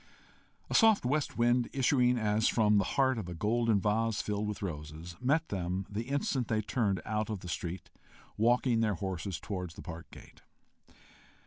A soft west wind, issuing as from the heart of a golden vase filled with roses, met them the instant they turned out of the street, walking their horses towards the park gate.